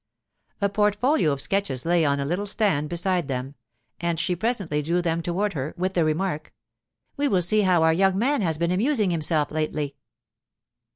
A portfolio of sketches lay on a little stand beside them, and she presently drew them toward her, with the remark, 'We will see how our young man has been amusing himself lately!